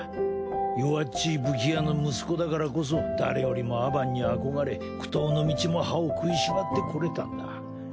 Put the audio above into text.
弱っちい武器屋の息子だからこそ誰よりもアバンに憧れ苦闘の道も歯を食いしばってこれたんだ。